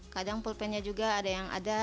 kadang pulpennya juga ada yang ada